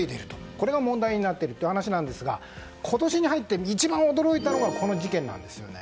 これが問題になっているという話なんですが今年に入って一番驚いたのがこの事件なんですね。